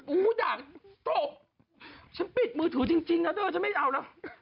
ด่าตกฉันปิดมือถือจริงนะเด้อฉันไม่เอาแล้ว